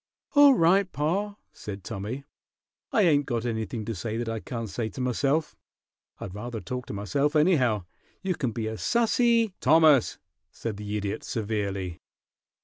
"All right, pa," said Tommy. "I ain't got anything to say that I can't say to myself. I'd rather talk to myself, anyhow. You can be as sassy " "Thomas!" said the Idiot, severely.